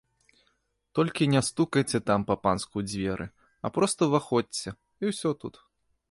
Толькі не стукайце там па-панску ў дзверы, а проста ўваходзьце, і ўсё тут.